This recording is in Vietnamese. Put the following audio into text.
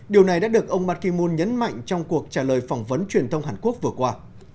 điều này đã được ông ban ki moon nhấn mạnh trong cuộc trả lời phỏng vấn truyền thông hàn quốc vừa qua